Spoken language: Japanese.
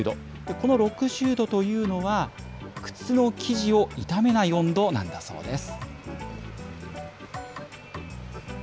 この６０度というのは、靴の生地を傷めない温度なんだそうです。